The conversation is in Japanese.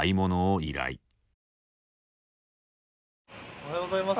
おはようございます。